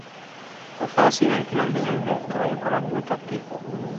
A felszínen különböző homoktalajok alakultak ki.